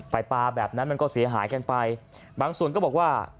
ปลาแบบนั้นมันก็เสียหายกันไปบางส่วนก็บอกว่า